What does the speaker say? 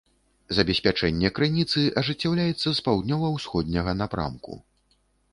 Забеспячэнне крыніцы ажыццяўляецца з паўднёва-ўсходняга напрамку.